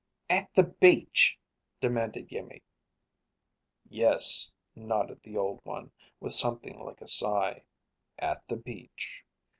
"At the beach?" demanded Iimmi. "Yes," nodded the Old One, with something like a sigh, "at the beach.